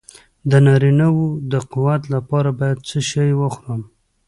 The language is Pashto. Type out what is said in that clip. د نارینه وو د قوت لپاره باید څه شی وخورم؟